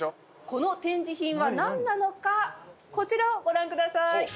この展示品はなんなのかこちらをご覧ください。